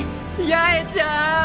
八重ちゃん！